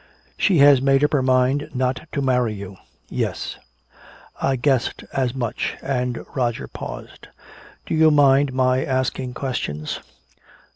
"She has made up her mind not to marry you." "Yes." "I guessed as much." And Roger paused. "Do you mind my asking questions?